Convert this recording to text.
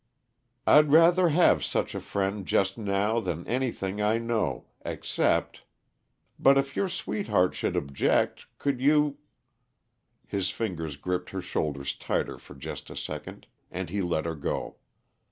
"I'd rather have such a friend, just now, than anything I know, except . But if your sweetheart should object could you " His fingers gripped her shoulders tighter for just a second, and he let her go.